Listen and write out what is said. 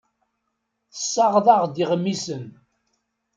Tessaɣeḍ-aɣ-d iɣmisen.